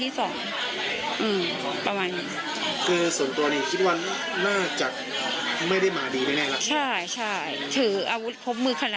เพราะว่าเราไม่รู้แก่ใน๑๔๐๐นจะเกิดความขึ้นเมื่อไหร่